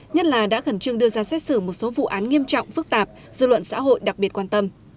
nhất là đã khẩn trương đưa ra xét xử một số vụ án nghiêm trọng phức tạp dư luận xã hội đặc biệt quan tâm